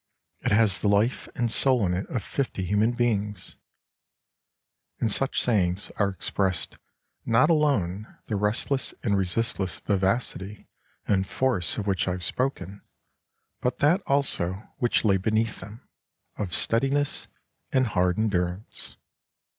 'It has the life and soul in it of fifty human beings.' In such sayings are expressed not alone the restless and resistless vivacity and force of which I have spoken, but that also which lay beneath them of steadiness and hard endurance."